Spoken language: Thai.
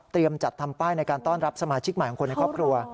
จัดทำป้ายในการต้อนรับสมาชิกใหม่ของคนในครอบครัว